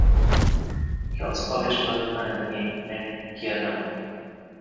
He also published work under the name Ned Kiernan.